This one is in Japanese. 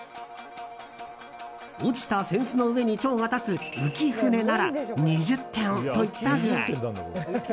落ちた扇子の上に蝶が立つ浮舟なら２０点といった具合。